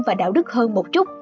và đạo đức hơn một chút